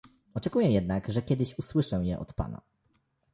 Oczekuję jednak, że kiedyś usłyszę je od pana